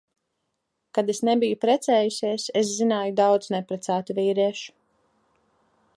Kad es nebiju precējusies, es zināju daudz neprecētu vīriešu.